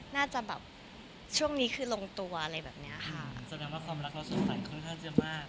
น่าจะแบบช่วงนี้คือลงตัวอะไรแบบเนี้ยค่ะแสดงว่าความรักเราสงสัยค่อนข้างจะมาก